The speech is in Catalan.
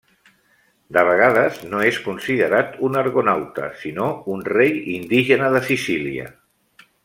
De vegades no és considerat un argonauta, sinó un rei indígena de Sicília.